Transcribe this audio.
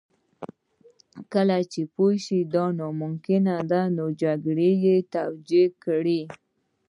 کله چې پوه شو دا ناممکنه ده نو جګړه یې توجیه کړه